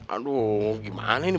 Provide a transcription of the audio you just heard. aduh gimana ini